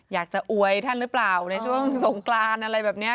อวยท่านหรือเปล่าในช่วงสงกรานอะไรแบบนี้